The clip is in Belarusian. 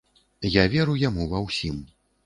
Я веру яму ва ўсім.